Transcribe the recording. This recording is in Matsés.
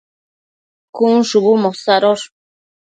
cun shubu mosadosh